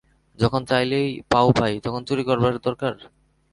যখন চাইলেই পাও ভাই, তখন চুরি করবার দরকার!